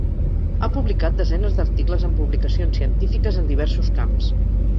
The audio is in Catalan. Ha publicat desenes d'articles en publicacions científiques en diversos camps.